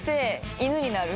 犬になる？